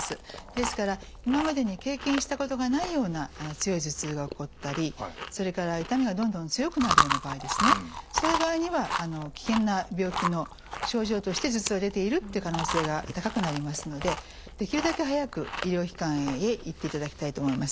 ですから今までに経験したことがないような強い頭痛が起こったりそれから痛みがどんどん強くなるような場合ですねそういう場合には危険な病気の症状として頭痛が出ているという可能性が高くなりますのでできるだけ早く医療機関へ行っていただきたいと思います。